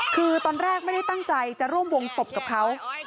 คือตอนแรกไม่ได้ตั้งใจจะร่วมวงตบกับเขา